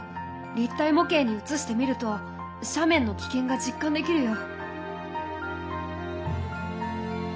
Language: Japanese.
立体模型にうつしてみると斜面の危険が実感できるよ。